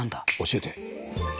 教えて。